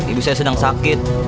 ibu saya sedang sakit